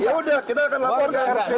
ya udah kita akan laporkan